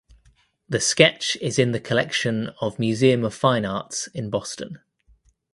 The sketch is in the collection of Museum of Fine Arts in Boston.